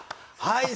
はい。